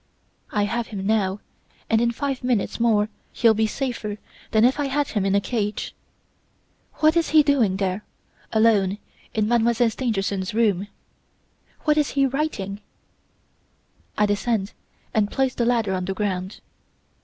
I have him now and in five minutes more he'll be safer than if I had him in a cage. What is he doing there, alone in Mademoiselle Stangerson's room? What is he writing? I descend and place the ladder on the ground.